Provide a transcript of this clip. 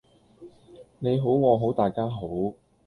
你好我好大家好